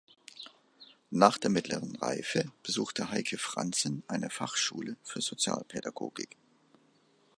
Nach der Mittleren Reife besuchte Heike Franzen eine Fachschule für Sozialpädagogik.